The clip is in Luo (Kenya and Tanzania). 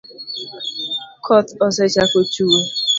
Koth osechako chue